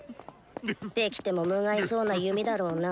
できても無害そうな弓だろうな。